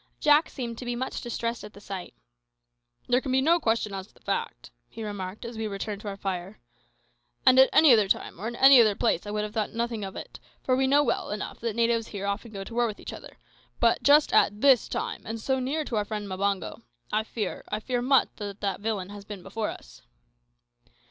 Jack seemed to be much distressed at the sight. "There can be no question as to the fact," he remarked as we returned to our fire; "and at any other time or in any other place I would have thought nothing of it, for we know well enough that the natives here often go to war with each other; but just at this time, and so near to our friend Mbango I fear, I fear much that that villain has been before us."